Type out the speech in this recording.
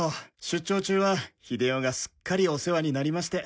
出張中はヒデヨがすっかりお世話になりまして。